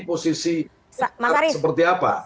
posisi seperti apa